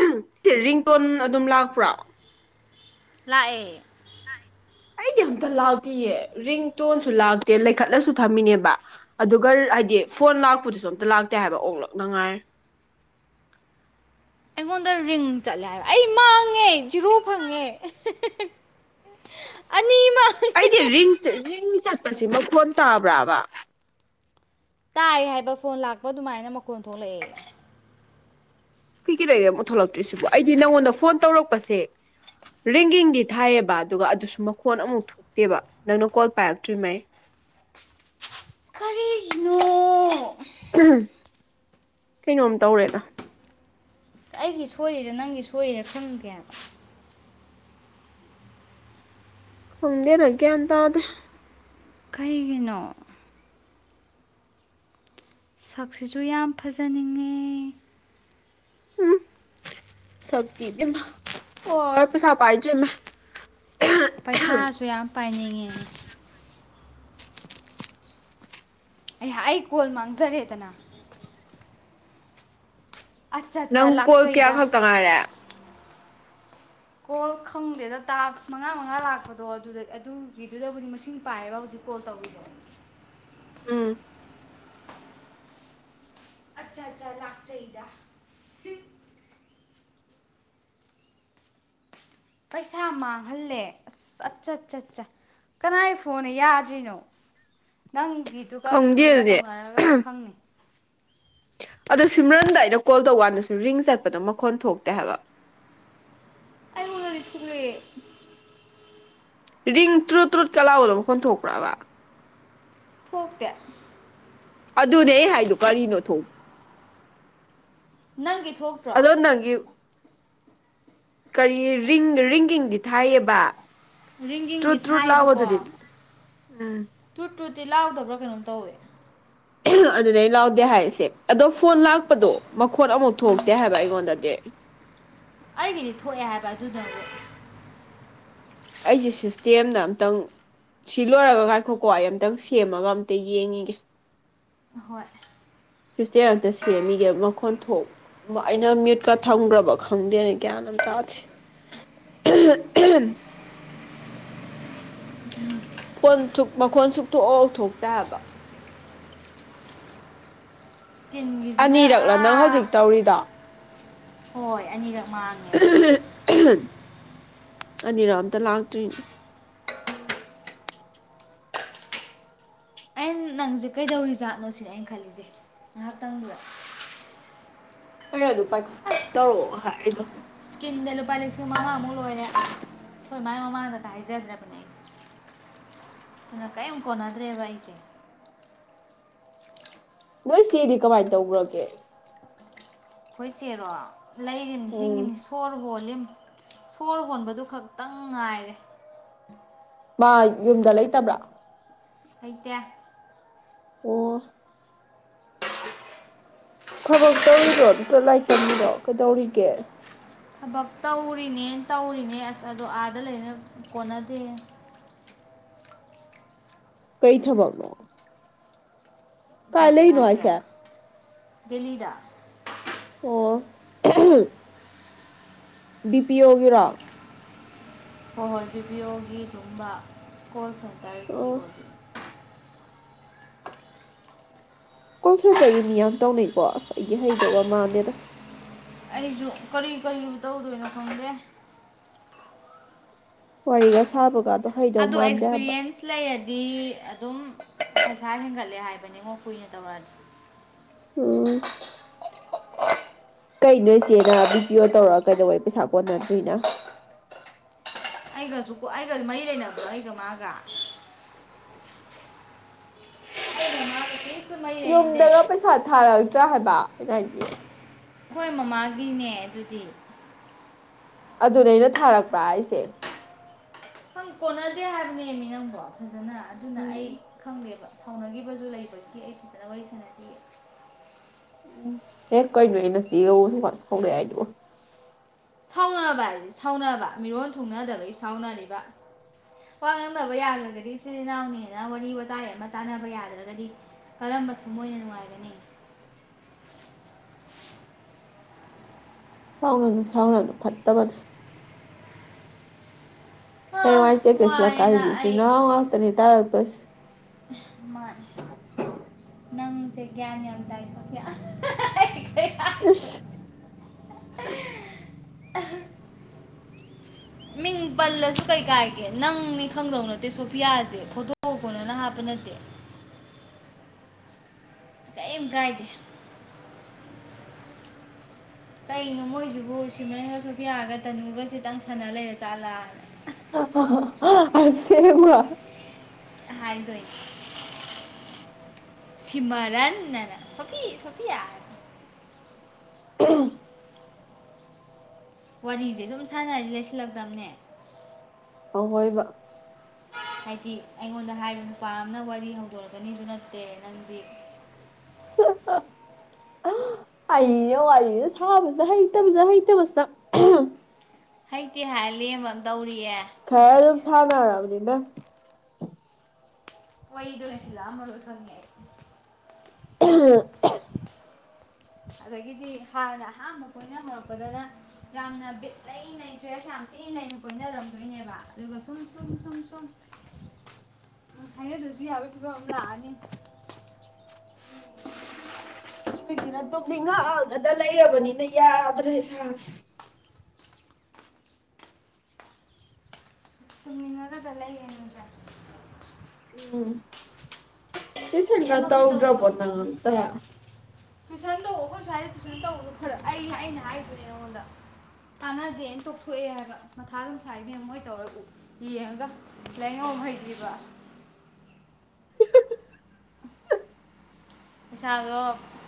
ꯍꯝ ringtone ꯑꯗꯨꯝ ꯂꯥꯛꯄ꯭ꯔꯣ ꯂꯥꯛꯑꯦ ꯂꯥꯛꯑꯦ ꯑꯩꯗꯤ ꯑꯝꯇ ꯂꯥꯛꯇꯤꯌꯦ ꯔꯤꯡꯇꯣꯟꯁꯨ ꯂꯥꯛꯇꯦ ꯂꯩꯈꯠꯂꯁꯨ ꯊꯝꯃꯤꯅꯦꯕ ꯑꯗꯨꯒ ꯍꯥꯏꯗꯤ ꯐꯣꯟ ꯂꯥꯛꯄꯗꯨꯁꯨ ꯑꯝꯇ ꯂꯥꯛꯇꯦ ꯍꯥꯏꯕ ꯑꯣꯂꯛꯅꯉꯥꯏ ꯑꯩꯉꯣꯟꯗ ꯔꯤꯡ ꯆꯠꯂꯦ ꯍꯥꯏꯕ ꯑꯩ ꯃꯥꯡꯉꯦ ꯖꯤꯔꯣ ꯐꯪꯉꯦ ꯑꯦ ꯍꯦ ꯍꯦ ꯍꯦ ꯑꯩꯗꯤ ꯔꯤꯡꯔꯤꯡ ꯆꯠ ꯃꯁꯤ ꯃꯈꯣꯟ ꯇꯥꯕꯔꯕ ꯇꯥꯏ ꯍꯥꯏꯕ ꯐꯣꯟ ꯂꯥꯛꯄ ꯑꯗꯨꯃꯥꯏꯅ ꯃꯈꯣꯟ ꯊꯣꯛꯂꯛꯑꯦ ꯀꯩ ꯀꯩꯗꯩꯒꯦ ꯑꯃꯨꯛ ꯊꯣꯛꯂꯛꯇ꯭ꯔꯤꯁꯤꯕ ꯑꯩꯗꯤ ꯅꯪꯉꯣꯟꯗ ꯐꯣꯟ ꯇꯧꯔꯛꯄꯁꯦ ꯔꯦꯡꯒꯤꯡꯗꯤ ꯊꯥꯏꯑꯕ ꯑꯗꯨꯒ ꯑꯗꯨꯁꯨ ꯃꯈꯣꯟ ꯑꯃꯨꯛ ꯊꯣꯛꯇꯦꯕ ꯅꯪꯅ ꯀꯣꯜ ꯄꯥꯏꯔꯛꯇ꯭ꯔꯤꯉꯩ ꯀꯔꯤꯒꯤꯅꯣ ꯀꯩꯅꯣꯝ ꯇꯧꯔꯦꯗ ꯑꯩꯒꯤ ꯁꯣꯏꯔꯤꯔꯦ ꯅꯪꯒꯤ ꯁꯣꯏꯔꯤꯔꯦ ꯈꯪꯗꯦ ꯍꯥꯏꯕ ꯈꯣꯡꯇꯦꯗ ꯒꯌꯥꯟ ꯇꯥꯗꯦ ꯀꯩꯒꯤꯅꯣ ꯁꯛꯁꯤꯁꯨ ꯌꯥꯝ ꯐꯖꯅꯤꯡꯉꯦ ꯎꯝ ꯁꯛꯀꯤꯗꯤ ꯑꯣꯔ ꯄꯩꯁꯥ ꯄꯥꯏꯖꯦ ꯃ ꯄꯩꯁꯥꯁꯨ ꯌꯥꯝ ꯄꯥꯏꯅꯤꯡꯉꯤ ꯑꯩꯍꯥꯛ ꯑꯩ ꯀꯣꯜ ꯃꯥꯡꯖꯔꯦꯗꯅ ꯑꯠꯆꯥ ꯑꯠꯆꯥ ꯅꯪ ꯀꯣꯜ ꯀꯌꯥ ꯂꯥꯛꯆꯩꯗ ꯈꯛꯇꯪ ꯉꯥꯏꯔꯦ ꯀꯣꯜ ꯈꯪꯗ꯭ꯔꯦꯗ ꯇꯥꯛꯁ ꯃꯉꯥ ꯃꯉꯥ ꯂꯥꯛꯄꯗꯣꯗ ꯑꯗꯨꯒꯤꯗꯨꯗꯕꯨꯗꯤ ꯃꯁꯤꯡ ꯄꯥꯏꯌꯦꯕ ꯍꯧꯖꯤꯛ ꯀꯣꯜ ꯇꯧꯔꯤꯗ ꯎꯝ ꯑꯆꯥ ꯑꯆꯥ ꯂꯥꯛꯆꯩꯗ ꯄꯩꯁꯥ ꯃꯥꯡꯍꯜꯂꯦ ꯑꯁ ꯑꯠ ꯆꯠ ꯆꯠ ꯀꯅꯥꯏ ꯐꯣꯟꯅ ꯌꯥꯗ꯭ꯔꯤꯅꯣ ꯅꯪ ꯈꯪꯗꯦꯅꯦ ꯑꯗꯣ ꯁꯤꯃꯔꯟꯗꯥꯏꯗ ꯀꯣꯜ ꯇꯧꯀꯥꯟꯗꯁꯨ ꯔꯤꯡ ꯆꯠꯄꯗꯣ ꯃꯈꯣꯟ ꯊꯣꯛꯇꯦ ꯍꯥꯏꯕ ꯑꯩꯉꯣꯟꯗꯗꯤ ꯊꯣꯛꯂꯛꯑꯦ ꯔꯤꯡ ꯇ꯭ꯔꯨꯠ ꯇ꯭ꯔꯨꯠ ꯀꯥ ꯂꯥꯎꯕꯂꯣ ꯃꯈ ꯈꯣꯟ ꯊꯧꯛꯄꯔꯕ ꯊꯣꯛꯇꯦ ꯑꯗꯨꯅꯦ ꯍꯥꯏꯗꯨꯣ ꯀꯔꯤꯅꯣ ꯊꯣꯡ ꯅꯪꯒꯤ ꯊꯣꯛꯇ꯭ꯔꯣ ꯀꯔꯤꯔꯤꯡ ꯔꯤꯡꯒꯤꯡꯗꯤ ꯊꯥꯏꯌꯦꯕ ꯔꯤꯡꯒꯤꯡꯗꯤ ꯇ꯭ꯔꯨꯠ ꯇ꯭ꯔꯨꯠ ꯊꯥꯏꯌꯦꯕꯀꯣ ꯂꯥꯎꯕꯗꯨꯗꯤ ꯎꯝ ꯇ ꯇꯨꯠꯇꯤ ꯂꯥꯎꯗꯕ꯭ꯔꯣ ꯀꯩꯅꯣꯝ ꯇꯧꯋꯦ ꯑꯗꯨꯗꯩ ꯂꯥꯎꯗꯦ ꯍꯥꯏꯔꯤꯁꯦ ꯑꯗꯣ ꯐꯣꯟ ꯂꯥꯛꯄꯗꯣ ꯃꯈꯣꯠ ꯑꯃꯨꯛ ꯊꯣꯛꯇꯦ ꯍꯥꯏꯕ ꯑꯩꯉꯣꯟꯗꯗꯤ ꯑꯩꯒꯤꯗꯤ [unintelligible] ꯑꯩꯁꯦ ꯁꯤꯁꯇꯦꯝꯅ ꯑꯨꯇꯪ ꯁꯤ ꯂꯣꯏꯔꯒ ꯀꯥꯏꯈꯣꯀꯣ ꯑꯩ ꯑꯃꯝꯇꯪ ꯁꯦꯝꯃꯒ ꯑꯝꯇ ꯌꯦꯡꯉꯒꯦ ꯍꯣꯏ ꯑꯝꯇ ꯁꯦꯝꯃꯤꯒꯦ ꯃꯈꯣꯟ ꯊꯣꯛ ꯑꯩꯅ ꯃꯤꯌꯨꯠꯀ ꯊꯝꯒ꯭ꯔꯕ ꯈꯪꯗꯦꯅ ꯒ꯭ꯌꯥꯟ ꯑꯝ ꯇꯥꯗꯦ ꯐꯣꯟ ꯁꯨꯛ ꯃꯈꯣꯟ ꯁꯨꯛꯊꯣꯛꯑꯣ ꯊꯣꯛꯇꯕ ꯍꯥꯏꯕ ꯏꯁꯀꯤꯟꯒꯤꯁꯤꯅ ꯑꯅꯤꯔꯛꯂ ꯅꯪ ꯑꯥ ꯍꯧꯖꯤꯛ ꯇꯧꯔꯤꯗꯣ ꯍꯣꯏ ꯑꯅꯤꯔꯛ ꯃꯥꯡꯉꯦ ꯑꯩ ꯑꯅꯤꯔꯥ ꯑꯝꯇ ꯂꯥꯛꯇ꯭ꯔꯤꯅꯦ ꯑꯩꯅ ꯅꯪꯁꯦ ꯀꯩꯗꯧꯔꯤꯖꯥꯠꯅꯣ ꯁꯤꯅꯦ ꯑꯩꯅ ꯈꯜꯂꯤꯁꯦ ꯉꯥꯏꯍꯥꯛꯇꯪꯗꯨꯗ ꯐꯔꯦ ꯑꯗꯨ ꯄꯥꯏꯈꯠ ꯇꯧꯔꯛꯑꯣ ꯍꯥꯏꯗꯣ ꯏꯁꯀꯤꯝꯗ ꯂꯨꯄꯥ ꯂꯤꯁꯤꯡ ꯃꯉꯥꯃꯨꯛ ꯂꯣꯏꯔꯦ ꯑꯩꯈꯣꯏ ꯃꯥꯏ ꯃꯃꯥꯡꯗ ꯍꯥꯏꯖꯗ꯭ꯔꯕꯅꯦ ꯑꯩꯁꯦ ꯑꯗꯨꯅ ꯀꯔꯤꯝ ꯀꯣꯟꯅꯗ꯭ꯔꯦꯕ ꯑꯩꯁꯦ ꯅꯣꯏ ꯆꯦꯗꯤ ꯀꯃꯥꯏꯅ ꯇꯧꯈ꯭ꯔꯒꯦ ꯍꯣꯏ ꯆꯦꯔꯣ ꯂꯩꯔꯤꯟ ꯎꯝ ꯍꯤꯡꯉꯤꯅꯤ ꯁꯣꯔ ꯍꯣꯜꯂꯤꯝ ꯁꯣꯔ ꯍꯣꯟꯕꯗꯨ ꯈꯛꯇꯪ ꯉꯥꯏꯔꯦ ꯃꯥ ꯌꯨꯝꯗ ꯂꯩꯇꯕ꯭ꯔꯥ ꯂꯩꯇꯦ ꯑꯣ ꯊꯕꯛ ꯇꯧꯔꯤꯔꯣ ꯅꯠꯇ꯭ꯔ ꯂꯥꯏꯔꯤꯛ ꯇꯝꯃꯤꯔꯣ ꯀꯩꯗꯧꯔꯤꯒꯦ ꯊꯕꯛ ꯇꯧꯔꯤꯅꯦ ꯇꯧꯔꯤꯅꯦ ꯑꯁ ꯑꯗꯣ ꯑꯥꯗ ꯂꯩꯅ ꯀꯣꯟꯅꯗꯦ ꯀꯩ ꯊꯕꯛꯅꯣ ꯀꯥꯏ ꯀꯔꯤ ꯂꯩꯅꯣ ꯍꯥꯏꯈ꯭ꯔꯦ ꯍꯥꯏꯁꯦ ꯗꯤꯜꯂꯤꯗ ꯑꯣ ꯕꯤ ꯄꯤ ꯑꯣꯒꯤꯔꯣ ꯍꯣꯍꯣꯏ ꯕꯤꯕꯤꯑꯣꯒꯤ ꯑꯗꯨꯒꯨꯝꯕ ꯀꯣꯜꯁꯦ ꯇꯔꯀꯤ ꯑꯣ ꯑꯣꯏꯕꯤ ꯀꯣꯜꯁꯦꯟꯇꯔꯒꯤ ꯃꯤ ꯌꯥꯝ ꯇꯧꯅꯩꯀꯣ ꯑꯁ ꯑꯩꯗꯤ ꯍꯩꯗꯧꯕ ꯃꯥꯟꯗꯦꯗ ꯑꯩꯁꯨ ꯀꯔꯤ ꯀꯔꯤ ꯇꯧꯗꯣꯏꯅꯣ ꯈꯪꯗꯦ ꯋꯥꯔꯤꯒ ꯁꯥꯥꯕ ꯀꯥꯗ ꯑꯗꯣ ꯑꯦꯛꯁꯄꯤꯔꯤꯌꯦꯟꯁ ꯂꯩꯔ ꯗꯤ ꯑꯗꯨꯝ ꯄꯩꯁꯥ ꯍꯦꯟꯒꯠꯂꯦ ꯍꯥꯏꯕꯅꯤꯉꯣ ꯀꯨꯏꯅ ꯇꯧꯔꯛꯑꯗꯤ ꯑꯣ ꯀꯩꯅꯣ ꯏꯆꯦꯅ ꯕꯤ ꯄꯤ ꯑꯣ ꯇꯧꯔꯒ ꯀꯩꯗꯧꯕꯦ ꯄꯩꯁꯥ ꯀꯣꯟꯅꯗ꯭ꯔꯤꯅ ꯑꯩꯒꯁꯨ ꯑꯩꯒ ꯃꯔꯤ ꯂꯩꯅꯕ꯭ꯔꯣ ꯑꯩꯒ ꯃꯥꯒ ꯑꯩꯒ ꯃꯥꯒ ꯀꯔꯤꯁꯨ ꯃꯔꯤ ꯂꯩꯅꯗꯦ ꯌꯨꯝꯗꯒ ꯄꯩꯁꯥ ꯊꯥꯔꯛ ꯁꯤꯂꯥꯎ ꯍꯥꯏꯕ ꯑꯩꯅ ꯍꯥꯏꯗꯤ ꯈꯣꯏ ꯃꯃꯥꯒꯤꯅꯦ ꯑꯗꯨꯗꯤ ꯑꯗꯨꯅꯦ ꯑꯩꯅ ꯊꯥꯔꯛꯄ꯭ꯔꯥ ꯍꯥꯏꯁꯦ ꯅꯪ ꯀꯣꯟꯅꯗꯦ ꯍꯥꯏꯕꯅꯦꯃꯤ ꯅꯪꯕꯣ ꯐꯖꯅ ꯑꯗꯨꯅ ꯑꯩ ꯎꯝ ꯈꯪꯗꯦꯕ ꯁꯥꯎꯅꯒꯤꯕꯁꯨ ꯂꯩꯕꯒꯤ ꯑꯩ ꯐꯖꯅ ꯋꯥꯔꯤ ꯁꯥꯟꯅꯗꯤ [unintelligible] ꯁꯥꯎꯅꯕ ꯍꯥꯏꯗꯤ ꯁꯥꯎꯅꯕ ꯃꯤꯔꯣꯟ ꯊꯨꯡꯅꯗꯕꯒꯤ ꯁꯥꯎꯅꯔꯤꯕ ꯋꯥ ꯉꯥꯡꯅꯕ ꯌꯥꯗ꯭ꯔꯒꯗꯤ ꯏꯆꯤꯜ ꯏꯅꯥꯎꯅꯦꯅ ꯋꯥꯔꯤ ꯋꯥꯇꯥꯏ ꯑꯃ ꯇꯥꯟꯅꯕ ꯌꯥꯗ꯭ꯔꯒꯗꯤ ꯀꯔꯝꯕ ꯊꯃꯣꯏꯅ ꯅꯨꯡꯉꯥꯏꯒꯅꯤ ꯁꯥꯎꯅꯅꯨ ꯁꯥꯎꯅꯅꯨ ꯐꯠꯇꯕꯅꯦ ꯍꯌꯦꯡꯋꯥꯏ ꯀꯩꯁ ꯂ ꯀꯔꯤꯗꯤꯁꯤ ꯏꯆꯤꯟꯅꯣꯎ ꯉꯥꯛꯇꯅꯤ ꯇꯥꯔꯛ ꯇꯣꯏꯁꯦ ꯃꯥꯅꯤ ꯅꯪꯁꯦ ꯒ꯭ꯌꯥꯟ ꯌꯥꯝ ꯇꯥꯏ ꯁꯣꯐꯤꯌꯥ ꯏꯁ ꯑꯍꯥ ꯃꯤꯡ ꯄꯜꯂꯖꯨ ꯀꯩ ꯀꯥꯏꯒꯦ ꯅꯪꯅꯤ ꯈꯪꯗꯧ ꯅꯠꯇꯦ ꯁꯣꯐꯤꯌꯥꯖꯦ ꯐꯣꯇꯣ ꯀꯣꯟꯅꯅ ꯍꯥꯞꯄ ꯅꯠꯇꯦ ꯀꯩꯝ ꯀꯥꯏꯗꯦ ꯀꯩꯅꯣ ꯃꯣꯏꯖꯤꯕꯨ ꯁꯤꯝꯔꯦꯟꯒ ꯁꯣꯐꯤꯌꯥꯒ ꯇꯅꯨꯒ ꯁꯤꯇꯪ ꯁꯥꯟꯅ ꯂꯩꯔꯆꯖꯥꯠꯂꯥꯅ ꯑꯍꯥ ꯑꯍꯥ ꯑꯁꯦꯡꯕ ꯍꯥꯏꯗꯣꯏꯅꯤ ꯁꯤꯃꯔꯟꯅ ꯁꯣꯐꯤ ꯁꯣꯐꯤꯌꯥ [inaudible] ꯋꯥꯔꯤꯁꯦ ꯁꯨꯝ ꯁꯥꯟꯅꯔꯗꯤ ꯂꯩꯁꯤꯜꯂꯛꯇꯕꯅꯦ ꯑꯍꯣꯏꯕ ꯍꯥꯏꯗꯤ ꯑꯩꯉꯣꯟꯗ ꯍꯥꯏꯕ ꯅꯨꯄꯥ ꯑꯃꯅ ꯋꯥꯔꯤ ꯍꯧꯗꯣꯔꯛꯀꯅꯤꯁꯨ ꯅꯠꯇꯦ ꯅꯪꯗꯤ ꯍꯥ ꯍꯥ ꯍꯥ ꯑꯩꯩꯅ ꯋꯔꯤꯁꯦ ꯁꯥꯕꯁꯦ ꯍꯩꯇꯕꯁꯤꯗ ꯍꯩꯇꯕꯁꯤꯅ ꯍꯥ ꯍꯩꯇꯦ ꯍꯥꯏ ꯂꯦꯝꯃ ꯇꯧꯔꯤ ꯈꯔ ꯑꯗꯨꯝ ꯁꯥꯅꯔꯕꯅꯤꯅ ꯋꯥꯔꯤꯗꯣ ꯂꯩꯁꯟꯂꯥꯛꯑꯃꯔꯣꯏ ꯑꯩ ꯈꯪꯉꯦ ꯑꯩ ꯑꯍ ꯑꯗꯒꯤꯗꯤ ꯍꯥꯟꯅ ꯑꯍꯝꯕ ꯀꯣꯏꯅꯃꯔꯛꯄꯗꯅ ꯌꯥꯝꯅ ꯕꯤꯠ ꯂꯩ ꯂꯩ ꯆ꯭ꯔꯦꯁ ꯌꯥꯝ ꯆꯤꯅ ꯂꯩꯩꯅ ꯀꯣꯏꯅꯔꯝꯗꯣꯏꯅꯦꯕ ꯑꯗꯨꯒ ꯁꯨꯝ ꯁꯨꯝ ꯁꯨꯝ ꯁꯨꯝ ꯍꯥꯏꯅꯗ꯭ꯔꯁꯨ ꯌꯥꯕꯒꯤ ꯐꯤꯕꯝ ꯑꯃ ꯂꯥꯛꯑꯅꯤ ꯍꯧꯖꯤꯛꯁꯤꯅ ꯇꯨꯝꯅꯤꯡꯉꯛꯑꯒꯗ ꯂꯩꯔꯕꯅꯤꯅ ꯌꯥꯗ꯭ꯔꯦ ꯏꯁꯥꯥꯁꯦ ꯇꯨꯝꯅꯤꯡꯉꯒꯗ ꯂꯩꯌꯦꯅꯦ ꯇꯨꯏꯁꯟꯒꯥ ꯇꯧꯅ ꯇꯧꯗ꯭ꯔꯕ ꯇꯧꯅ ꯅꯪ ꯑꯝꯇ ꯇꯨꯏꯁꯟ ꯇꯧ ꯑꯩꯈꯣꯏ ꯁꯋꯥꯏꯗꯦ ꯇꯨꯏꯁꯟ ꯇꯧꯕꯗꯣ ꯈꯔ ꯑꯩꯅ ꯑꯩꯅ ꯍꯥꯏꯗꯅꯦ ꯑꯩꯉꯣꯟꯗ ꯀꯥꯟꯅꯗꯦꯅ ꯇꯣꯛꯊꯣꯛꯑꯦ ꯍꯥꯏꯕ ꯃꯊꯥ ꯑꯗꯨꯝ ꯁꯥꯏ ꯏꯕꯦꯝꯃ ꯃꯣꯏ ꯇꯧꯔꯒ ꯌꯦꯡꯉꯒ ꯂꯥꯏꯔꯤꯛ ꯅ ꯃꯔꯣꯝ ꯍꯩꯇ꯭ꯔꯤꯕ ꯄꯩꯥꯁꯥꯗꯣ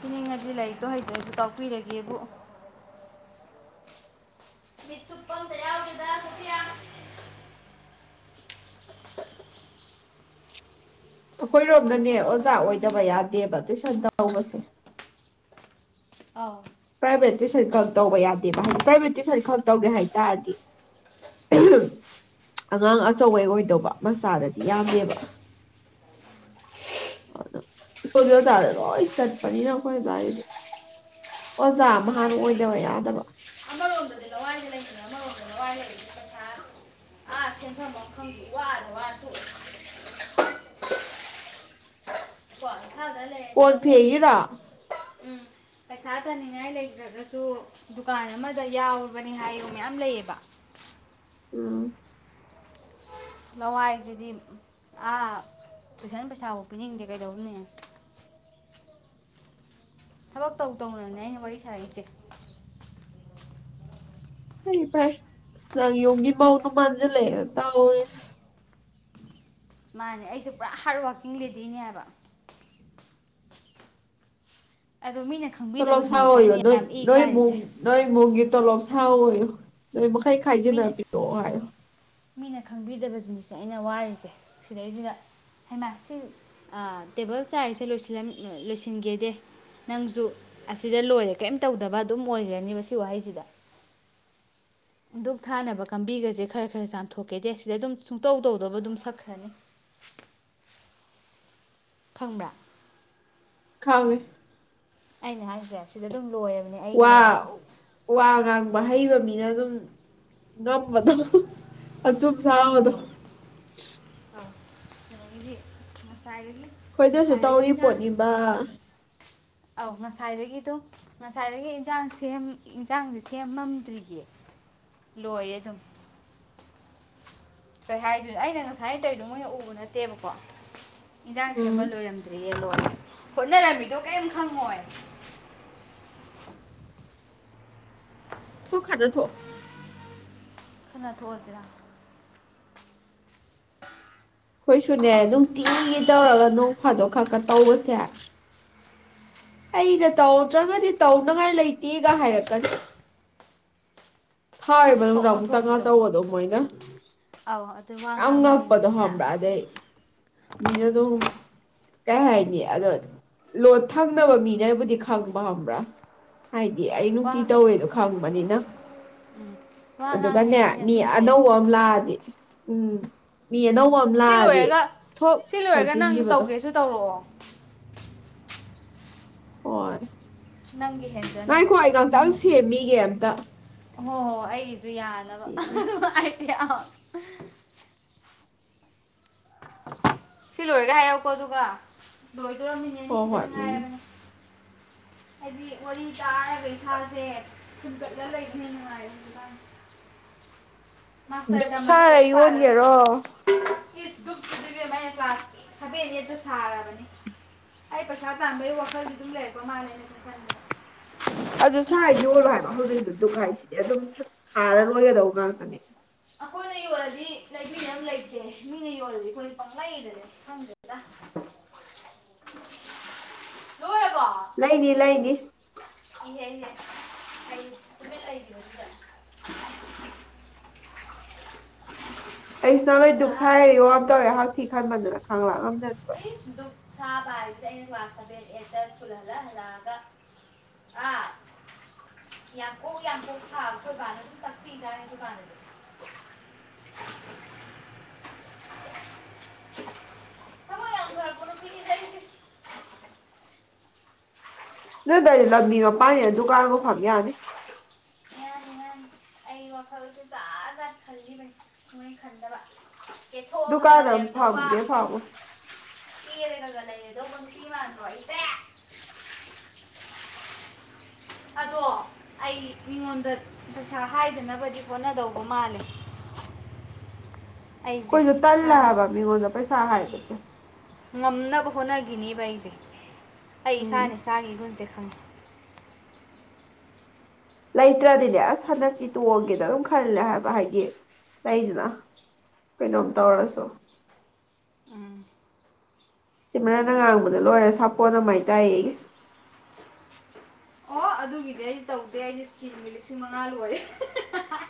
ꯄꯤꯅꯤꯡꯉꯗꯤ ꯂꯩꯔꯤꯛꯇꯣ ꯍꯩꯇ꯭ꯔꯁꯨ ꯇꯥꯛꯄꯤꯔꯒꯦꯕꯨ ꯃꯤꯠ ꯊꯨꯞꯄ ꯑꯝꯇ ꯌꯥꯎꯗꯦꯗ ꯁꯣꯐꯤꯌꯥ ꯐꯣꯟ ꯑꯩꯈꯣꯏꯔꯣꯝꯗꯅꯦ ꯆꯠꯅꯕ ꯑꯣꯖꯥ ꯁꯥꯟꯅꯩ ꯑꯣꯏꯗꯕ ꯌꯥꯗꯦꯕ ꯇꯨꯏꯁꯟ ꯇꯧꯕꯁꯦ ꯑꯥꯎ ꯄ꯭ꯔꯥꯏꯚꯦꯠ ꯇꯨꯏꯁꯟ ꯈꯛ ꯇꯧꯕ ꯌꯥꯗꯦꯕ ꯍꯥꯏꯗꯤ ꯄ꯭ꯔꯥꯏꯚꯦꯠ ꯇꯨꯏꯁꯟ ꯈꯛ ꯇꯧꯒꯦ ꯍꯥꯏ ꯇꯥꯔꯗꯤ ꯑꯉꯥꯡ ꯑꯆꯧꯕꯩ ꯑꯣꯏꯗꯧꯕ ꯃꯆꯥꯗꯗꯤ ꯌꯥꯗꯦꯕ ꯑꯗ ꯁ꯭ꯀꯨꯜꯒꯤ ꯑꯣꯖꯥꯗ ꯂꯣꯏ ꯆꯠꯄꯅꯤꯅ ꯑꯩꯈꯣꯏ ꯑꯗꯨꯋꯥꯏꯗꯗꯤ ꯑꯣꯖꯥꯃꯥ ꯍꯥꯟꯅ ꯂꯋꯥꯏꯗ ꯑꯣꯏꯗꯕ ꯂꯩꯕꯁꯦ ꯌꯥꯗꯕ ꯑꯃꯔꯣꯝꯗꯗꯤ ꯂꯋꯥꯏꯗ ꯂꯩꯕꯅꯦ ꯑꯃꯔꯣꯝꯗ ꯂꯋꯥꯏ ꯂꯩꯕꯁꯦ ꯄꯩꯁꯥ ꯑꯥ ꯁꯦꯟꯐꯝ ꯑꯃꯥ ꯈꯪꯗꯦ ꯋꯥꯗ ꯋꯥ ꯇꯣꯛꯑꯦ [inaudible] ꯐꯥꯜꯗ ꯂꯩꯔꯗꯤ ꯀꯣꯟ ꯑꯃꯨꯛ ꯐꯦꯡꯉꯤꯔꯣ ꯎꯝ ꯄꯩꯁꯥ ꯇꯥꯟꯅꯤꯡꯉꯥꯏ ꯂꯩꯈ꯭ꯔꯒꯁꯨ ꯗꯨꯀꯥꯟ ꯑꯃꯗ ꯌꯥꯎꯔꯕꯅꯤ ꯍꯥꯏꯌꯨ ꯃꯌꯥꯝ ꯂꯩꯌꯦꯕ ꯎꯝ ꯂꯋꯥꯏꯁꯤꯗꯤ ꯑꯥ ꯇꯨꯏꯁꯟ ꯄꯩꯁꯥꯐꯧ ꯄꯤꯅꯤꯡꯗꯦ ꯀꯩꯗꯧꯅꯤ ꯊꯕꯛ ꯇꯧ ꯇꯧꯅꯅꯦ ꯑꯩꯅ ꯋꯥꯔꯤ ꯁꯥꯔꯤꯁꯦ ꯐꯩ ꯐꯩ ꯅꯪ ꯌꯨꯝꯒꯤ ꯃꯧꯗꯨꯝ ꯃꯥꯟꯖꯤꯜꯂꯛꯑꯦꯗ ꯇꯧꯔꯤꯁ ꯃꯥꯅꯦ ꯑꯩꯁꯦ ꯄꯨꯔꯥ ꯍꯥꯔꯠ ꯋꯥꯔꯀꯤꯡ ꯂꯦꯗꯤꯅꯦꯕ ꯑꯗꯣ ꯃꯤꯅ ꯇꯣꯂꯣꯞ ꯈꯪꯕꯤꯗꯕꯁꯤꯡꯁꯦ ꯁꯣꯋꯣꯌꯣ ꯑꯩꯅ ꯅꯣꯏ ꯌꯥꯝ ꯏ ꯅꯣꯏ ꯃꯨꯡ ꯀꯥꯔꯤꯁꯦ ꯅꯣꯏ ꯃꯨꯡꯒꯤ ꯇꯣꯂꯣꯞ ꯁꯥꯑꯣꯌꯨ ꯅꯣꯏ ꯃꯈꯩ ꯃꯤꯅ ꯈꯥꯏꯖꯤꯟꯅꯔ ꯄꯤꯔꯛꯑꯣ ꯍꯥꯏꯌꯣ ꯃꯤꯅ ꯈꯪꯕꯤꯗꯕ ꯅꯤꯁꯁꯦ ꯑꯩꯅ ꯋꯥꯔꯤꯁꯦ ꯁꯤꯗꯩꯁꯤꯗ ꯍꯩꯃꯥ ꯁꯤ ꯑ ꯇꯦꯕꯜ ꯆꯥꯏꯔꯤꯁꯦ ꯂꯣꯏꯁꯤꯜꯂꯝ ꯂꯣꯏꯁꯤꯟꯒꯦꯗ ꯅꯪꯁꯨ ꯑꯁꯤꯗ ꯂꯣꯏꯔꯦ ꯀꯔꯤꯝ ꯇꯧꯗꯕ ꯑꯗꯨꯝ ꯑꯣꯏꯈ꯭ꯔꯅꯦꯕ ꯁꯤ ꯋꯥꯍꯩꯁꯤꯗ ꯗꯨꯛ ꯊꯥꯅꯕ ꯀꯥꯡꯝꯕꯤꯒꯁꯦ ꯈꯔ ꯈꯔ ꯆꯥꯝꯊꯣꯛꯀꯦꯗꯦ ꯁꯤꯗ ꯑꯗꯨꯝ ꯁꯨꯡꯇꯧ ꯇꯧꯗꯧꯕ ꯑꯗꯨꯝ ꯁꯛꯈ꯭ꯔꯅꯤ ꯈꯪꯕ꯭ꯔꯥ ꯈꯥꯡꯉꯦ ꯑꯩꯅꯥ ꯍꯥꯏꯁꯦ ꯁꯤꯗ ꯑꯗꯨꯝ ꯂꯣꯏꯔꯕꯅꯦ ꯑꯩꯒꯤ ꯋꯥ ꯂꯥꯏꯕꯛꯁꯦ ꯋꯥ ꯉꯥꯡꯕ ꯍꯩꯕ ꯃꯤꯅ ꯑꯗꯨꯝ ꯉꯝꯕꯗꯣ ꯑꯆꯨꯝ ꯁꯥꯥꯕꯗꯣ ꯀꯩꯅꯣꯒꯤꯗꯤ ꯑꯩꯈꯣꯏꯗꯁꯨ ꯇꯧꯔꯤ ꯄꯣꯠꯅꯤꯕ ꯑꯧ ꯉꯁꯥꯏꯗꯒꯤ ꯑꯗꯨꯝ ꯉꯁꯥꯏꯗꯒꯤ ꯏꯟꯁꯥꯡ ꯁꯦꯝ ꯏꯟꯁꯥꯡꯁꯦ ꯁꯦꯝꯃꯝꯗ꯭ꯔꯤꯌꯦ ꯂꯣꯏꯔꯦ ꯑꯗꯨꯝ ꯀꯩ ꯍꯥꯏꯗꯨꯣꯏꯅꯣ ꯑꯩꯅ ꯉꯁꯥꯏ ꯇꯩꯗꯧ ꯃꯣꯏꯅ ꯎꯕ ꯅꯠꯇꯦꯕꯀꯣ ꯏꯟꯖꯥꯡ ꯁꯦꯝꯕ ꯎꯝ ꯂꯣꯏꯔꯝꯗ꯭ꯔꯤꯌꯦ ꯂꯣꯔꯦ ꯍꯣꯠꯅꯔꯝꯃꯤꯗꯣ ꯀꯔꯤꯝ ꯈꯪꯉꯣꯏ ꯇꯣꯛ ꯈꯠꯅꯊꯣꯛ ꯑꯣ ꯈꯠꯅ ꯊꯣꯛ ꯑꯁꯤꯔꯥ ꯑꯩꯈꯣꯏ ꯁꯨꯅꯦ ꯅꯨꯡ ꯇꯤꯒꯤ ꯇꯧꯔꯒ ꯅꯣꯡ ꯐꯥꯗꯣꯛ ꯈꯛꯀ ꯇꯧꯕꯁꯦ ꯑꯩꯅ ꯇꯧꯗ꯭ꯔꯒꯗꯤ ꯇꯧꯅꯉꯥꯏ ꯂꯩꯇꯦꯒ ꯍꯥꯏꯔꯛꯀꯅꯤ ꯊꯥꯔꯤꯕ ꯊꯣꯛ ꯅꯨꯡꯃꯤꯗꯥꯡ ꯑꯃꯨꯛ ꯇꯪ ꯒ ꯑꯣꯟꯊꯣꯛꯄꯤꯗꯣ ꯇꯧꯕꯗꯣ ꯃꯣꯏꯅ ꯑꯧ ꯑꯗꯨ ꯋꯥ ꯌꯥꯝ ꯉꯥꯡꯕ ꯍꯩꯕ ꯉꯛꯄꯗꯣ ꯃꯤꯅ ꯍꯪꯕ꯭ꯔꯥ ꯑꯗꯩ ꯃꯤꯅ ꯑꯗꯨꯝ ꯀꯩ ꯍꯥꯏꯅꯤ ꯑꯗꯣ ꯔꯨꯝ ꯊꯪꯅꯕ ꯃꯤꯅꯕꯨꯗꯤ ꯈꯪꯕ ꯈꯪꯕ꯭ꯔꯥ ꯍꯥꯏꯗꯤ ꯍꯣꯏ ꯑꯩ ꯋꯥ ꯅꯨꯡꯇꯤ ꯇꯧꯋꯦꯗꯣ ꯈꯪꯕꯅꯤꯅ ꯋꯥ ꯉꯥꯡ ꯑꯗꯨꯒꯅꯦ ꯍꯩꯕ ꯃꯤꯅ ꯃꯤ ꯆꯨꯝ ꯁꯩ ꯑꯗꯣ ꯑꯅꯧꯕ ꯑꯃ ꯂꯥꯛꯑꯗꯤ ꯎꯝ ꯃꯤ ꯑꯅꯧꯕ ꯑꯃ ꯁꯤ ꯂꯥꯛ ꯑꯗꯤ ꯂꯣꯏꯔꯒ ꯊꯣꯛ ꯁꯤ ꯂꯣꯏꯔꯒ ꯅꯪ ꯍꯥꯏꯖꯤꯟꯈꯤꯕꯗꯣ ꯇꯧꯒꯦꯁꯨ ꯇꯧꯔꯛꯑꯣ ꯍꯣꯏ ꯅꯪꯒꯤ ꯍꯦꯟꯖꯅꯕ ꯉꯥꯏꯈꯣ ꯑꯩ ꯉꯥꯛꯇꯪ ꯅꯪ ꯁꯦꯝꯃꯤꯒꯦ ꯑꯝꯇ ꯍꯣ ꯍꯣꯏ ꯑꯩ ꯁꯨ ꯌꯥꯅꯕ ꯍꯥ ꯍꯥ ꯍꯥ ꯏꯍꯥ ꯑꯥ ꯁꯤ ꯂꯣꯏꯔꯒ ꯍꯥꯏꯔꯎꯀꯣ ꯑꯗꯨꯒ ꯂꯣꯏ ꯑꯗꯣ ꯃꯤꯅꯠ ꯑꯅꯤ ꯍꯣꯏ ꯈꯛ ꯍꯣꯏ ꯇꯪ ꯎꯝ ꯉꯥꯏꯔꯕꯅꯦ ꯍꯥꯏꯗꯤ ꯋꯥꯔꯤ ꯇꯥꯔꯒ ꯏꯁꯥꯁꯦ ꯄꯨꯟꯒꯠꯂ ꯂꯩꯕꯅ ꯍꯦꯟꯅ ꯅꯨꯡꯉꯥꯏꯔꯦ ꯃꯥꯁꯇꯔ ꯗꯨꯛ ꯇꯧꯔꯗꯤ ꯁꯥꯔ ꯂꯥꯏꯔꯤꯛ ꯄꯥꯔꯁꯤ ꯌꯣꯟꯒꯦꯔꯣ ꯏꯁ ꯗꯨꯛ ꯑꯩꯅ ꯀ꯭ꯂꯥꯁ ꯁꯚꯦꯟ ꯑꯩꯠꯇ ꯁꯥꯔꯕꯅꯤ ꯑꯩ ꯄꯩꯁꯥ ꯇꯥꯟꯕꯒꯤ ꯋꯥꯈꯜꯗꯤ ꯑꯗꯨꯝ ꯂꯩꯔꯛꯄ ꯃꯥꯜꯂꯦ ꯑꯩꯅ ꯁꯨꯝ ꯈꯟꯕꯗ ꯑꯗꯨ ꯁꯥꯔ ꯌꯣꯜꯂꯣ ꯍꯥꯏꯕ ꯍꯧꯖꯤꯛꯁꯨ ꯗꯨꯛ ꯍꯥꯏꯁꯤꯗꯤ ꯑꯗꯨꯝ ꯊꯥꯔ ꯂꯣꯏꯒꯗꯧꯕ ꯉꯥꯛꯇꯅꯦ ꯑꯩꯈꯣꯏꯅ ꯌꯣꯜꯂꯗꯤ ꯂꯩꯕꯤꯅꯕ ꯂꯩꯇꯦ ꯃꯤꯅ ꯌꯣꯜꯂꯗꯤ ꯑꯩꯈꯣꯏꯗꯤ ꯄꯪꯂꯩꯗ ꯂꯩ ꯈꯪꯗ꯭ꯔꯦꯗ ꯏꯐ ꯏꯍꯦ ꯏꯍꯦ ꯑꯩ ꯇꯨꯃꯤꯟ ꯂꯩ ꯑꯩꯁꯨ ꯅꯍꯥꯋꯥꯏ ꯗꯨꯛ ꯁꯔꯥ ꯌꯣꯟꯒꯦ ꯇꯧꯔꯦ ꯍꯛꯊꯤ ꯈꯟꯕꯗꯨꯅ ꯈꯪꯂꯥꯛ ꯉꯝꯗꯗꯅ ꯇꯣꯛꯑꯦ ꯑꯩꯅ ꯀ꯭ꯂꯥꯁ ꯁꯚꯦꯟ ꯑꯩꯠꯇ ꯁꯀꯨꯜ ꯍꯜꯂꯛ ꯍꯜꯂꯛ ꯑꯒ ꯑꯥ ꯌꯥꯡ ꯀꯣꯛ ꯌꯥꯡ ꯀꯣꯛ ꯁꯥꯕ ꯈꯣꯏꯕꯥꯅ ꯑꯗꯨꯝ ꯇꯥꯛꯄꯤ ꯖꯥꯠꯅꯤ ꯗꯨꯀꯥꯟꯗ [inaudible] ꯊꯕꯛ ꯌꯥꯝ ꯐꯔꯛꯄ ꯅꯨꯄꯤꯅꯤꯗ ꯑꯩꯁꯦ ꯅꯣꯏ ꯑꯗꯨꯒꯤ ꯂꯝꯕꯤ ꯃꯄꯥꯟꯅꯤꯅ ꯗꯨꯀꯥꯟꯕꯨ ꯐꯝ ꯌꯥꯅꯤ ꯌꯥꯅꯤ ꯌꯥꯅꯤ ꯑꯩ ꯋꯥꯈꯜꯁꯦ ꯆꯖꯥꯠ ꯖꯥꯠ ꯈꯜꯂꯤꯕꯅꯤ ꯅꯣꯏ ꯈꯟꯗꯕ ꯗꯨꯀꯥꯟ ꯑꯝ ꯐꯥꯝꯒꯦ ꯐꯥꯝꯃꯣ ꯀꯦꯔꯒꯗ ꯂꯩꯒꯗꯧꯕ ꯃꯤꯃꯥꯟꯗ꯭ꯔꯣ ꯑꯩꯁꯦ ꯑꯗꯣ ꯑꯩ ꯃꯤꯉꯣꯟꯗ ꯄꯩꯁꯥ ꯍꯥꯏꯗꯅꯕꯗꯤ ꯍꯣꯠꯅꯗꯧꯕ ꯃꯥꯜꯂꯦ ꯑꯩꯈꯣꯏꯁꯨ ꯇꯜꯂꯦ ꯍꯥꯏꯕ ꯃꯤꯉꯣꯟꯗ ꯄꯩꯁꯥ ꯍꯥꯏꯕꯁꯦ ꯉꯝꯅꯕ ꯍꯣꯠꯅꯒꯤꯅꯤꯕ ꯑꯩꯁꯦ ꯑꯩ ꯎꯝ ꯏꯁꯥꯅ ꯏꯁꯥꯒꯤ ꯒꯨꯟꯁꯦ ꯈꯪꯉꯤ ꯂꯩꯇ꯭ꯔꯗꯤꯅꯦ ꯑꯁ ꯍꯟꯗꯛꯇꯤ ꯇꯣꯡꯒꯦꯗ ꯑꯗꯨꯝ ꯈꯜꯂꯦ ꯍꯥꯏꯕ ꯍꯥꯏꯗꯤ ꯂꯩꯗꯅ ꯀꯩꯅꯣꯝ ꯍꯣꯏ ꯇꯧꯔꯁꯨ ꯎꯝ ꯁꯤꯃꯔꯅ ꯉꯥꯡꯕꯗ ꯂꯣꯏꯔꯦ ꯁꯥꯄꯣꯟꯅ ꯃꯥꯏ ꯇꯥꯏꯌꯦ ꯑꯣ ꯑꯗꯨꯒꯤꯗꯤ ꯑꯩ ꯇꯧꯗꯦ ꯑꯩꯖꯨ ꯁ꯭ꯀꯤꯟꯒꯤ ꯂꯤꯁꯤꯡ ꯃꯉꯥ ꯂꯣꯏꯔꯦ ꯍꯥꯍꯥꯍꯥ